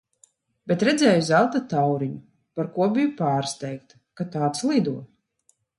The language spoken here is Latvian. Bet redzēju zelta tauriņu, par ko biju pārsteigta, ka tāds lido.